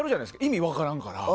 意味分からんから。